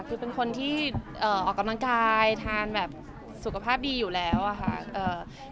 คือเป็นคนที่ออกกำลังกายทานแบบสุขภาพดีอยู่แล้วอะค่ะ